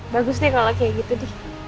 bagus deh kalau kayak gitu deh